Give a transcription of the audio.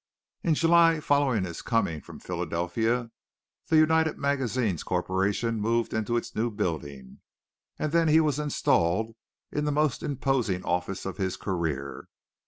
In July following his coming from Philadelphia the United Magazines Corporation moved into its new building, and then he was installed into the most imposing office of his career.